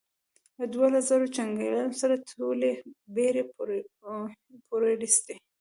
له دوولس زرو جنګیالیو سره ټولې بېړۍ پورېستې.